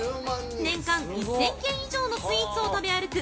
年間１０００軒以上のスイーツを食べ歩く